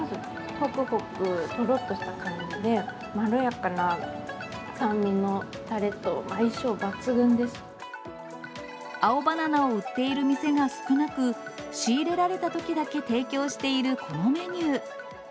ほくほくとろっとした感じで、まろやかな酸味のたれと、青バナナを売っている店が少なく、仕入れられたときだけ提供しているこのメニュー。